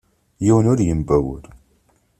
Yiwen ur yembawel.